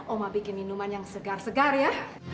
oma bikin minuman yang segar segar ya